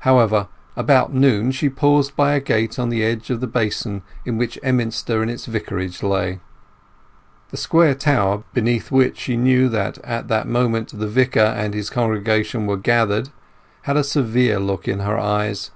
However, about noon she paused by a gate on the edge of the basin in which Emminster and its Vicarage lay. The square tower, beneath which she knew that at that moment the Vicar and his congregation were gathered, had a severe look in her eyes.